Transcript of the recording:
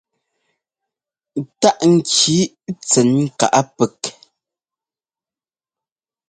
Táꞌ ŋki tsɛn káꞌ pɛk.